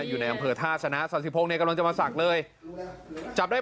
อยู่ในอำเภอท่าชนะสาธิปรกเนธกำลังจะมาสักเลยจับได้